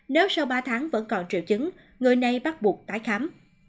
nếu sau ba tháng vẫn còn triệu chứng người này bắt buộc tái khám